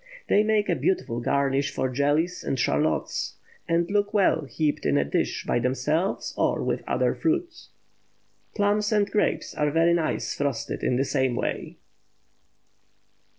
They make a beautiful garnish for jellies or charlottes, and look well heaped in a dish by themselves or with other fruit. Plums and grapes are very nice frosted in the same way.